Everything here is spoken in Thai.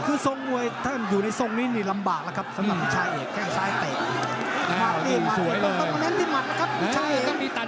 คือทรงมวยถ้าอยู่ในทรงนี้นี่ลำบากแล้วครับสำหรับชายเอกแข้งซ้ายเตะ